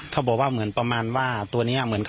เขาบอกว่าเหมือนประมาณว่าตัวนี้